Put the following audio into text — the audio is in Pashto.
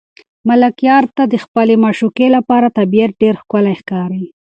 ملکیار ته د خپلې معشوقې لپاره طبیعت ډېر ښکلی ښکاري.